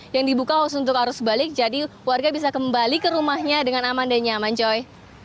yang dibuka khusus untuk arus balik jadi warga bisa kembali ke rumahnya dengan aman dan nyaman joy